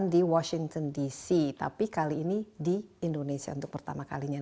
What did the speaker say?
di washington dc tapi kali ini di indonesia untuk pertama kalinya